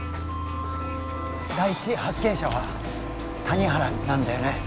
第一発見者は谷原なんだよね？